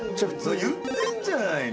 言ってんじゃないの。